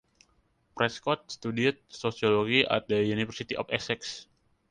Prescod studied sociology at the University of Essex.